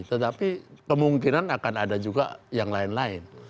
tetapi kemungkinan akan ada juga yang lain lain